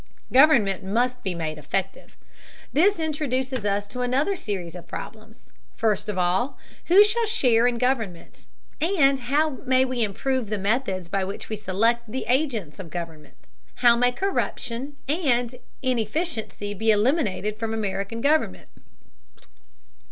Government must be made effective. This introduces us to another series of problems. First of all, who shall share in government? And how may we improve the methods by which we select the agents of government? How may corruption and inefficiency be eliminated from American government?